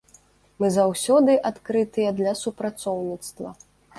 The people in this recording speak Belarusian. Мы заўсёды адкрытыя для супрацоўніцтва.